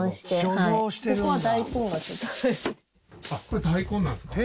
これ大根なんですか？